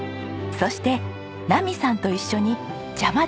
そして奈美さんと一緒に「邪魔だ！